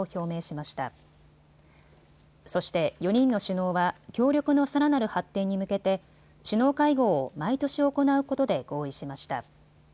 そして４人の首脳は協力のさらなる発展に向けて首脳会合を毎年行うことで合意しました。